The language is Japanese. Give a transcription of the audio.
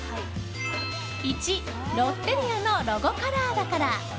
１、ロッテリアのロゴカラーだから。